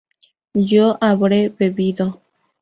yo habré bebido